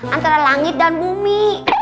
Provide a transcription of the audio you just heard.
antara langit dan bumi